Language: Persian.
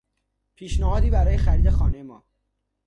پیشنهادی برای خرید خانهی ما